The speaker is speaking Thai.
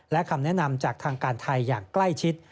และคำแนะนำจากทางการไทยอย่างใกล้ชิด